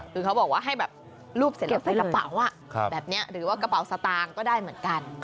คือเขาบอกว่าให้แบบรูปใส่กระเป๋าแบบนี้หรือว่ากระเป๋าสตางค์ก็ได้เหมือนกัน